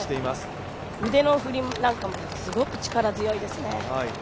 腕の振りなんかもすごく力強いですね。